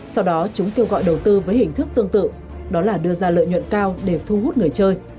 sau đó chúng kêu gọi đầu tư với hình thức tương tự đó là đưa ra lợi nhuận cao để thu hút người chơi